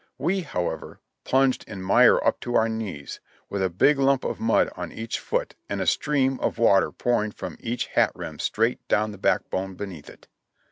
We, however, plunged in mire up to our knees, with a big lump of mud on each foot and a stream of water pouring from each hat rim straight down the backbone beneath it.